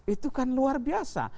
itu kan luar biasa